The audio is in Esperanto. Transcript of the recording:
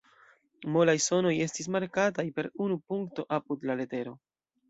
Molaj sonoj estis markataj per unu punkto apud la letero.